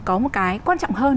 có một cái quan trọng hơn